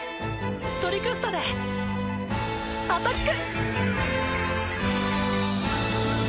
トリクスタでアタック！